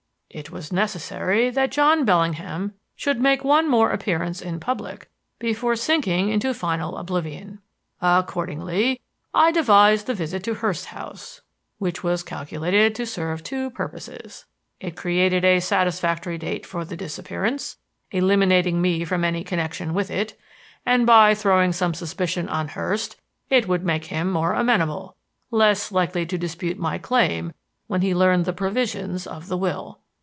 It was necessary that John Bellingham should make one more appearance in public before sinking into final oblivion. "Accordingly, I devised the visit to Hurst's house, which was calculated to serve two purposes. It created a satisfactory date for the disappearance, eliminating me from any connection with it, and by throwing some suspicion on Hurst it would make him more amenable less likely to dispute my claim when he learned the provisions of the will.